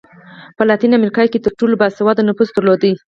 په لاتینه امریکا کې تر ټولو با سواده نفوس درلود.